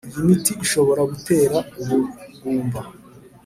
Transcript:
iyi miti ishobora gutera ubugumba